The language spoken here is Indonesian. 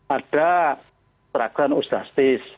ada perakuan ustastis